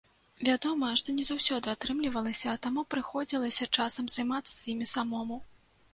Вядома, што не заўсёды атрымлівалася, таму прыходзілася часам займацца з імі самому.